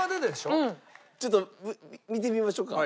ちょっとＶ見てみましょうか。